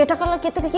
yaudah kalau gitu gigi